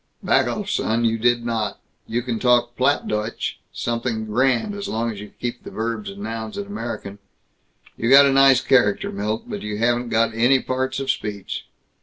Back off, son! You did not! You can talk Plattdeutsch something grand, as long as you keep the verbs and nouns in American. You got a nice character, Milt, but you haven't got any parts of speech.